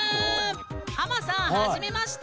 ハマさんはじめまして！